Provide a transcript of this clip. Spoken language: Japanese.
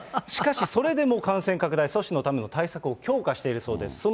しかしそれでも感染拡大阻止するための対策を強化しているそうです。